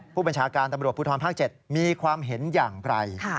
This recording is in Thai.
ผู้บัญชาการตำรวจภูทรภาค๗มีความเห็นอย่างไร